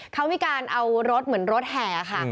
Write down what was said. เขามีการเอารถเหมือนรถแห่ค่ะ